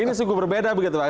ini sungguh berbeda begitu pak